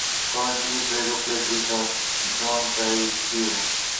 Currently Drago plays with a John Parris cue.